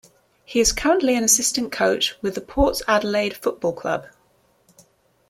He is currently an assistant coach with the Port Adelaide Football Club.